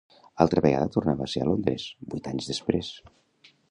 Altra vegada tornava a ser a Londres, vuit anys després.